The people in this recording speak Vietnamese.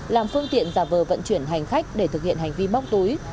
làm phương tiện giả vờ vận chuyển hành khách để thực hiện hành vi móc túi